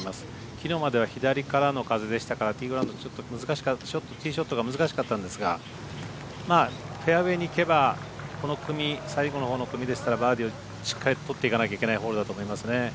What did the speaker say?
きのうまでは左からの風でしたからティーショットがちょっと難しかったんですがフェアウエーに行けばこの組、最後のほうの組ですからバーディーをしっかりとっていかなきゃいけないホールだと思いますね。